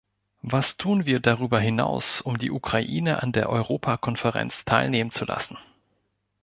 Was tun wir darüber hinaus, um die Ukraine an der Europakonferenz teilnehmen zu lassen?